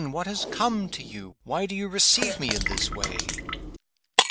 what has come to you? Why do you receive me in this way?"